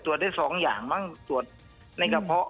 ได้๒อย่างมั้งตรวจในกระเพาะ